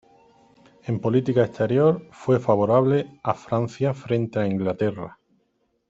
En política exterior, fue favorable a Francia frente a Inglaterra.